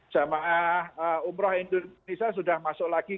jamaah umroh indonesia sudah masuk lagi